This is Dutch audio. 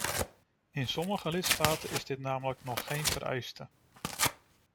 In sommige lidstaten is dit namelijk nog geen vereiste.